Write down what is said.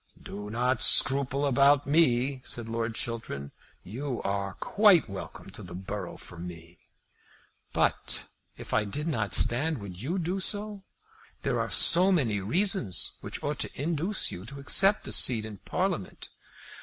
"Do not scruple about me," said Lord Chiltern; "you are quite welcome to the borough for me." "But if I did not stand, would you do so? There are so many reasons which ought to induce you to accept a seat in Parliament!"